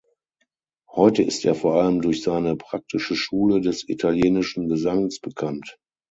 Heute ist er vor allem durch seine "Praktische Schule des italienischen Gesangs" bekannt.